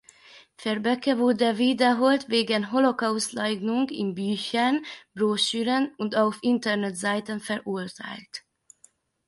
Verbeke wurde wiederholt wegen Holocaustleugnung in Büchern, Broschüren und auf Internetseiten verurteilt.